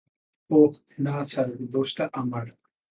ওহ, না স্যার, দোষটা আমার।